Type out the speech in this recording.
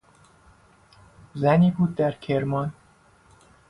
زنی بود در کرمان